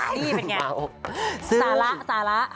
นี่เป็นอย่างไรสาระซึ่งซึ่ง